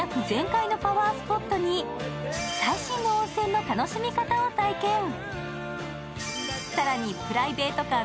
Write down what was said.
前回のパワースポットに最新の温泉の楽しみ方を体験。